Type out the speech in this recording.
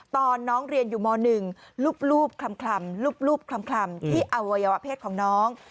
ตอนน้องเรียนอยู่ม๑รูปคลำรูปคลำที่อวัยวะเพศของน้อง